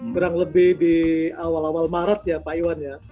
kurang lebih di awal awal maret ya pak iwan ya